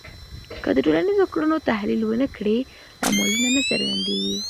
که د ټولنیزو کړنو تحلیل ونه کړې، لاملونه نه څرګندېږي.